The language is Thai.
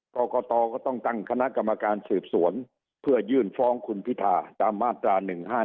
กรกตก็ต้องตั้งคณะกรรมการสืบสวนเพื่อยื่นฟ้องคุณพิธาตามมาตรา๑๕๗